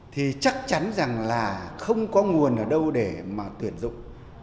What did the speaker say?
thì chắc chắn rằng là không có nguồn ở đâu để mà tuyển dụng